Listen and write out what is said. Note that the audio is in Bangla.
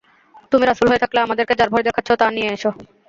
তুমি রাসূল হয়ে থাকলে আমাদেরকে যার ভয় দেখাচ্ছ তা নিয়ে এসো।